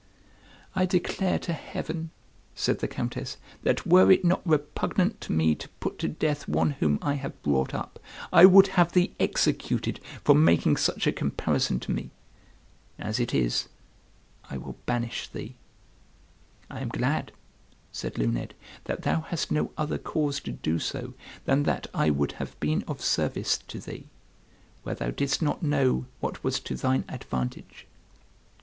"I declare to Heaven," said the Countess, "that were it not repugnant to me to put to death one whom I have brought up, I would have thee executed for making such a comparison to me. As it is, I will banish thee." "I am glad," said Luned, "that thou hast no other cause to do so than that I would have been of service to thee, where thou didst not know what was to thine advantage.